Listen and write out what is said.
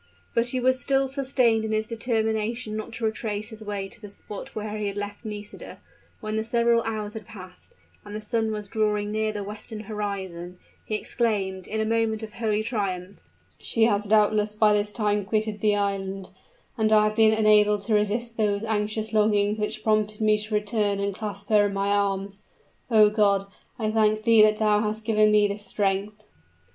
But still he was sustained in his determination not to retrace his way to the spot where he had left Nisida; and when several hours had passed, and the sun was drawing near the western horizon, he exclaimed, in a moment of holy triumph, "She has doubtless by this time quitted the island, and I have been enabled to resist those anxious longings which prompted me to return and clasp her in my arms! O God! I thank thee that thou hast given me this strength!"